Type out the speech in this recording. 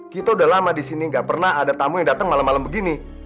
kita udah lama disini gak pernah ada tamu yang dateng malam malam begini